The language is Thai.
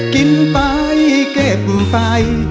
กินไปเก็บไป